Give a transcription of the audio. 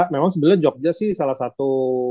memang sebenarnya jogja sih salah satu